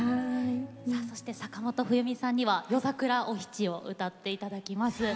坂本冬美さんには「夜桜お七」を歌っていただきます。